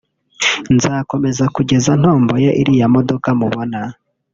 nzakomeza kugeza ntomboye iriya modoka mubona